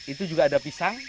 itu juga ada pisang